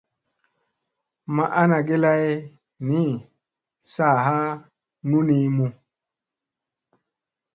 Ma ana ge lay ni saa ha nunimu.